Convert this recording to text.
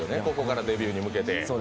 ここからデビューに向けて。